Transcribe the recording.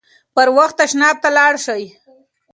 پر وخت تشناب ته لاړ شئ.